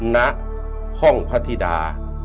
ในห้องพัฒนิดา